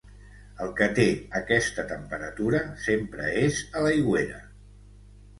El que té aquesta temperatura sempre és a l'aigüera.